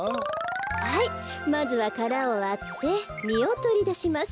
はいまずはからをわってみをとりだします。